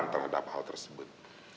terhadap hal tersebut